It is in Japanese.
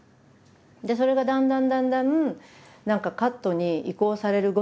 それがだんだんだんだん何かカットに移行されるごとに